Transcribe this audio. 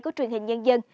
của truyền hình nhân dân